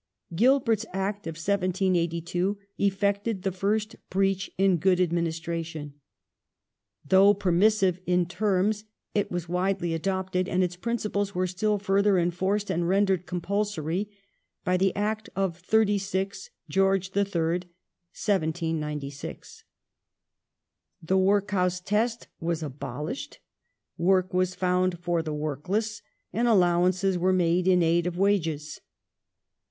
Gilbert's Act of 1782 effected the first breach in good administration. Though permissive in terms it was widely adopted, and its principles were still further enforced and rendered compulsory by the Act of 36 George III. (1796). The " Workhouse test " was abolished, work was found for the workless, and allowances were made in aid of wages.